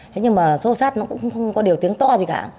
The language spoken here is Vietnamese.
thế nhưng mà xô xát nó cũng không có điều tiếng to gì cả